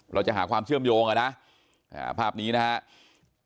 เราจะหาความเชื่อมโยงอ่ะนะภาพนี้นะครับ